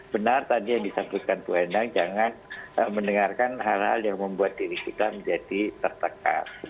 benar tadi yang disampaikan bu endang jangan mendengarkan hal hal yang membuat diri kita menjadi tertekan